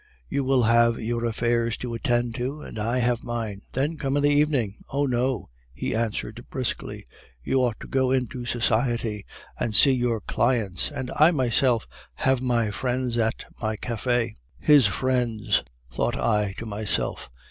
You will have your affairs to attend to, and I have mine.' "'Then come in the evening.' "'Oh, no!' he answered briskly, 'you ought to go into society and see your clients, and I myself have my friends at my cafe.' "'His friends!' thought I to myself.